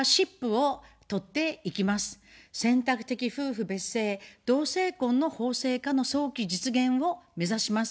選択的夫婦別姓、同性婚の法制化の早期実現を目指します。